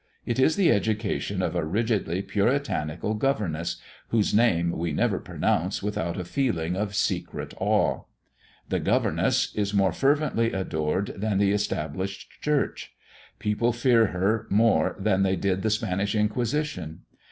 It is the education of a rigidly puritanical governess, whose name we never pronounce without a feeling of secret awe. That governess is more fervently adored than the Established Church; people fear her more than they did the Spanish Inquisition.